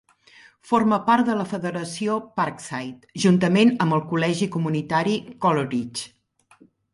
Forma part de la Federació Parkside, juntament amb el Col·legi comunitari Coleridge.